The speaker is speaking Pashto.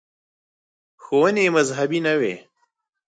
• ښوونې یې مذهبي نه وې.